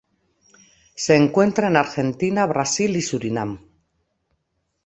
Se encuentra en Argentina, Brasil y Surinam.